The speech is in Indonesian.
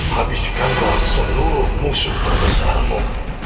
habiskanlah seluruh musuh terbesarmu